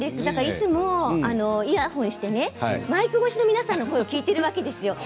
いつもイヤホンしてマイク越しに皆さんの声を聞いているわけですよ。